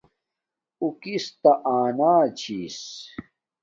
اُو کس تا آنا چھس